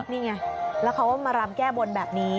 นี่ไงแล้วเขาก็มารำแก้บนแบบนี้